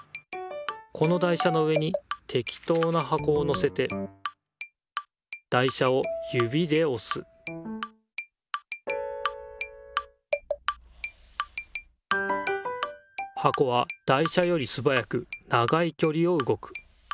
この台車の上にてきとうなはこをのせて台車をゆびでおすはこは台車よりすばやく長いきょりをうごく。